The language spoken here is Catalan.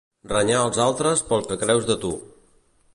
Renyar els altres pel que creus de tu.